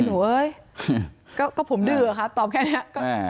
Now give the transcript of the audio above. โอ้ยหนูเอ้ยก็ผมเดือกครับตอบแค่นี้